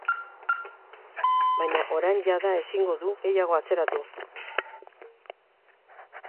Baina orain jada ezingo du gehiago atzeratu.